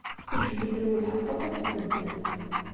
Tejbed-d lwelha n waṭas n medden.